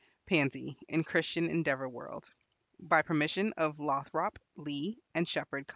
Pansy, in Christian Endeavor World. By permission of Lothrop, Lee & Shepard Co.